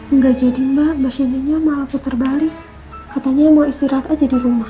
enggak jadi mbak mbak sienna nya malah putar balik katanya mau istirahat aja di rumah